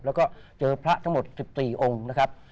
แล้วก็เจอพระทั้งหมด๑๔องค์นะครับ